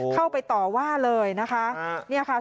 เข้าไปต่อว่าเลยนะคะ